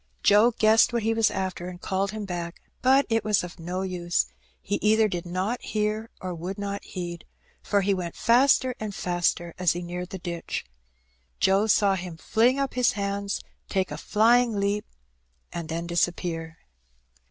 Joe guessed what he was after, and called him back; but it was of no use, he either did not hear or would not heed, for he went faster and faster as he neared the ditch. Joe saw him fling up his hands, take a flying leap, and then disappear.